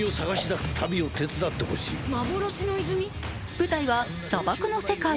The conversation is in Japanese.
舞台は砂漠の世界。